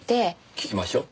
聞きましょう。